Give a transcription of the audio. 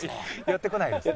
寄ってこないね。